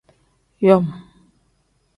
Yom.